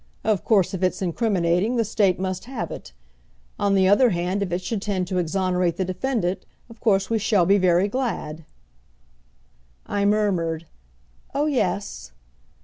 Of course if it's incriminating, the state must have it. On the other hand, if it should tend to exonerate the defendant, of course we shall be very glad." I murmured, "Oh, yes!"